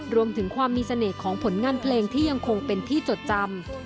รวมถึงความมีเสน่ห์ของผลงานเพลงที่ยังคงเป็นที่จดจำ